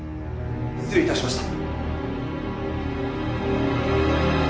失礼いたしました。